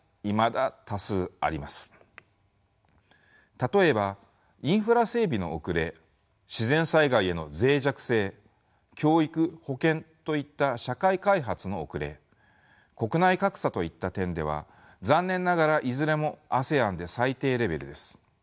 例えばインフラ整備の遅れ自然災害への脆弱性教育・保健といった社会開発の遅れ国内格差といった点では残念ながらいずれもＡＳＥＡＮで最低レベルです。